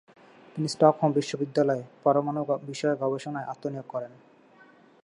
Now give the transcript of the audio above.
তিনি স্টকহোম বিশ্ববিদ্যালয়ে পরমাণু বিষয়ে গবেষণায় আত্মনিয়োগ করেন।